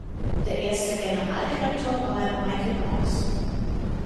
Der erste Generaldirektor war Michael Rowse.